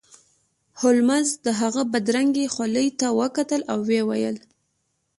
هولمز د هغه بدرنګې خولې ته وکتل او ویې ویل